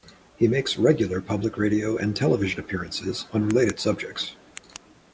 He makes regular public radio and television appearances on related subjects.